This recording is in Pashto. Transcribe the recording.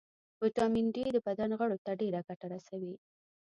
ويټامین ډي د بدن غړو ته ډېره ګټه رسوي